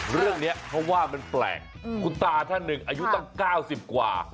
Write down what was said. เรื่องนี้เขาว่ามันแปลกคุณตาท่านหนึ่งอายุตั้ง๙๐กว่า